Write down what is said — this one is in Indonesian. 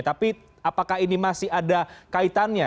tapi apakah ini masih ada kaitannya